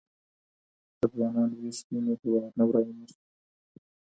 که ځوانان ويښ وي نو هېواد نه ورانېږي.